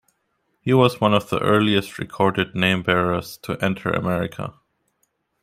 He was one of the earliest recorded name bearers to enter America.